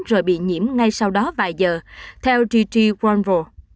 rồi bị nhiễm ngay sau đó vài giờ theo gigi warnville